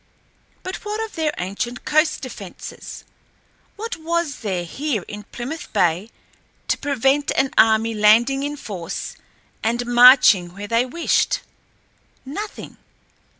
But what of their ancient coast defenses? What was there here in Plymouth Bay to prevent an enemy landing in force and marching where they wished? Nothing.